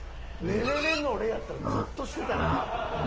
「レレレのレー」やったらゾッとしてたな。